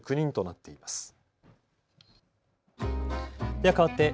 ではかわって＃